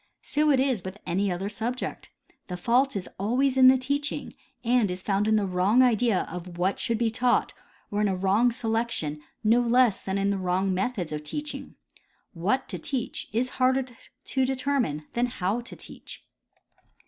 So is it with any other subject. The fault is always in the teaching, and is found in the wrong idea of what should be taught or in a wrong selection no less than in the wrong methods of teaching. What to teach is harder to determine than how to teach.